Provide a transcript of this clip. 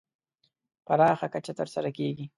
پراخه کچه تر سره کېږي.